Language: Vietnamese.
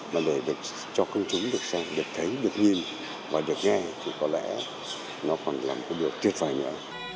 mà để cho công chúng được xem được thấy được nhìn và được nghe thì có lẽ nó còn là một cái điều tuyệt vời nữa